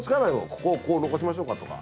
ここをこう残しましょうかとか。